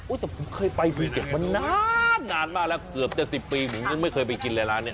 อุ๊ยเปียบ๗๐ปีผมยกไม่เคยไปกินร้านนี้